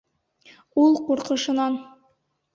Ул ҡурҡышынан: